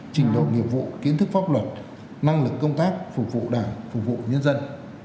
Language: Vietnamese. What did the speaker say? trình độ nghiệp vụ kiến thức pháp luật năng lực công tác phục vụ đảng phục vụ nhân dân